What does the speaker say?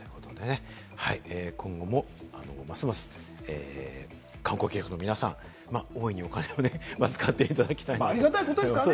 今後もますます観光客の皆さん、大いにお金をね使っていただきたいなと思いますね。